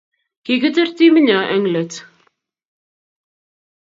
kikitur timitnyo eng' letu